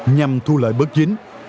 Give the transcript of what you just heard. nhằm thu lợi bất chính